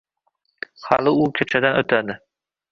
Hali u ko‘chadan o’tadi.